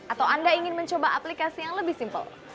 atau anda ingin mencoba aplikasi yang lebih simpel